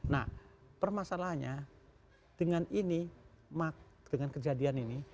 nah permasalahannya dengan ini dengan kejadian ini